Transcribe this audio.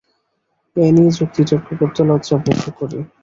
এ নিয়ে যুক্তি তর্ক করতে লজ্জা বোধ করি।